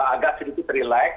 agak sedikit relax